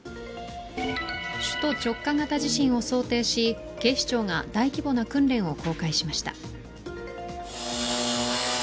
首都直下型地震を想定し警視庁が大規模な訓練を公開しました。